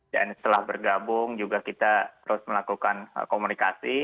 dan setelah bergabung juga kita terus melakukan komunikasi